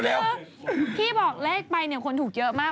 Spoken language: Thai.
คือพี่บอกเลขไปคนถูกเยอะมาก